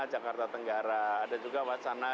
jakarta tenggara ada juga wacana